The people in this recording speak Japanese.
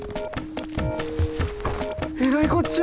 えらいこっちゃ！